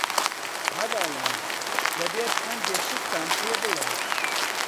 هەڤاڵان ، دەبێت هەندێ شتتان پێ بڵیم.